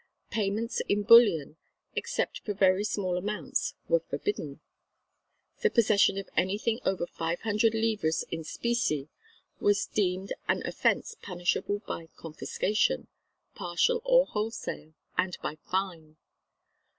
Payments in bullion, except for very small amounts, were forbidden. The possession of anything over five hundred livres in specie was deemed an offence punishable by confiscation, partial or wholesale, and by fine.